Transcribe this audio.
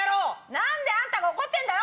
何であんたが怒ってるんだよ？